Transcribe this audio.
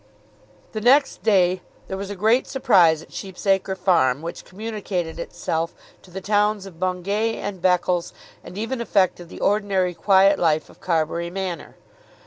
The next day there was great surprise at Sheep's Acre farm, which communicated itself to the towns of Bungay and Beccles, and even affected the ordinary quiet life of Carbury Manor.